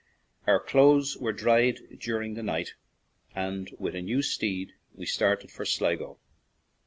Our clothes were dried during the night, and with a new steed we started for Sligo.